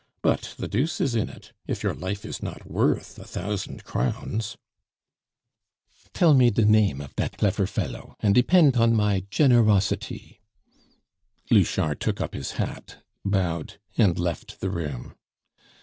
But the deuce is in it! If your life is not worth a thousand crowns " "Tell me de name of dat clefer fellow, and depent on my generosity " Louchard took up his hat, bowed, and left the room.